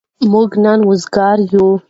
موږ نن وزگار يو.